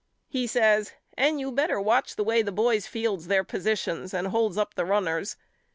He says And you better watch the way the boys fields their positions and holds up the runners.